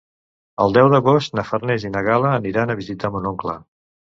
El deu d'agost na Farners i na Gal·la aniran a visitar mon oncle.